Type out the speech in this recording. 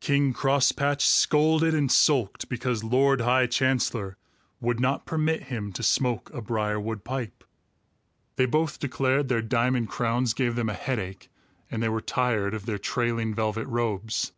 King Crosspatch scolded and sulked because Lord High Chancellor would not permit him to smoke a briarwood pipe. They both declared their diamond crowns gave them a headache, and they were tired of their trailing velvet robes.